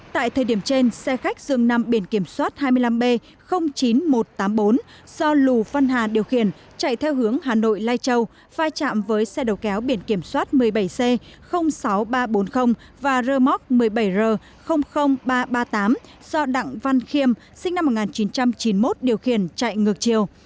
tại thời điểm trên xe khách dường nằm biển kiểm soát hai mươi năm b chín nghìn một trăm tám mươi bốn do lù văn hà điều khiển chạy theo hướng hà nội lai châu vai trạm với xe đầu kéo biển kiểm soát một mươi bảy c sáu nghìn ba trăm bốn mươi và rơ móc một mươi bảy r ba trăm ba mươi tám do đặng văn khiêm sinh năm một nghìn chín trăm chín mươi một điều khiển chạy ngược chiều